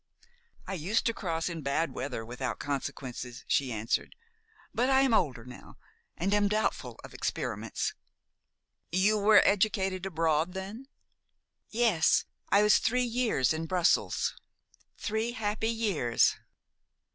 "I used to cross in bad weather without consequences," she answered; "but I am older now, and am doubtful of experiments." "You were educated abroad, then?" "Yes. I was three years in Brussels three happy years."